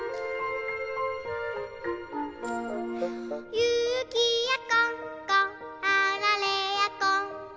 「ゆきやこんこあられやこんこ」